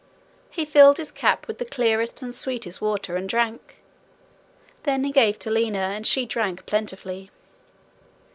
He filled his cap with the clearest and sweetest water, and drank. Then he gave to Lina, and she drank plentifully.